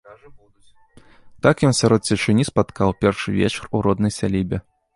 Так ён сярод цішыні спаткаў першы вечар у роднай сялібе.